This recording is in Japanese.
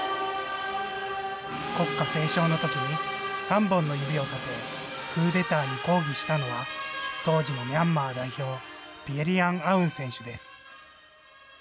国歌斉唱のときに３本の指を立て、クーデターに抗議したのは、当時のミャンマー代表、ピエ・リアン・アウン選手です。